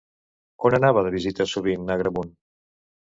On anava de visita sovint Agramunt?